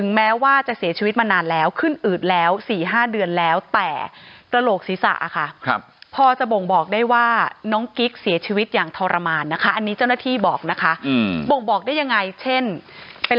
นะคะอันนี้เจ้าหน้าที่บอกนะคะอืมบ่งบอกได้ยังไงเช่นเป็น